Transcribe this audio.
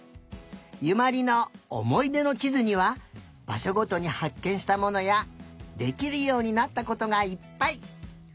ゆまりのおもいでのちずにはばしょごとにはっけんしたものやできるようになったことがいっぱい。